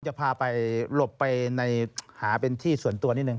จะพาไปหลบไปในหาเป็นที่ส่วนตัวนิดนึ